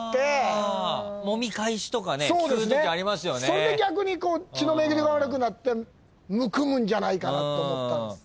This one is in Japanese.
そんで逆に血の巡りが悪くなってむくむんじゃないかなって思ったんです。